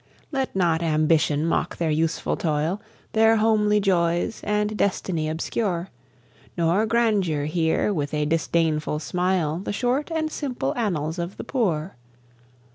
Let not Ambition mock their useful toil, Their homely joys, and destiny obscure; Nor Grandeur hear with a disdainful smile, The short and simple annals of the Poor.